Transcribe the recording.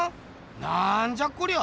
なんじゃこりゃ。